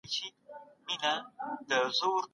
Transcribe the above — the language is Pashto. دغه کاغذباد تر هغې ونې پورته البوتی.